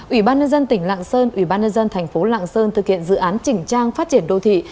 ủy ban nhân dân tỉnh lạng sơn ủy ban nhân dân thành phố lạng sơn thực hiện dự án chỉnh trang phát triển đô thị